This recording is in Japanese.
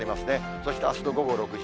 そしてあすの午後６時。